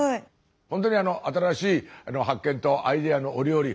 ほんとに新しい発見とアイデアのお料理